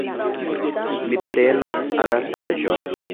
Mi prenos anasaĵon.